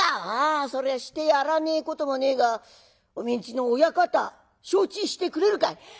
「ああそりゃしてやらねえこともねえがおめえんちの親方承知してくれるかい？」。